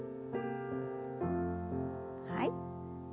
はい。